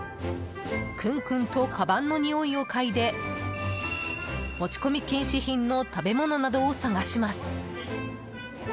クンクンとかばんのにおいをかいで持ち込み禁止品の食べ物などを探します。